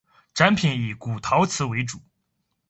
展品以古陶瓷为主。